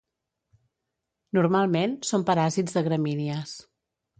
Normalment són paràsits de gramínies.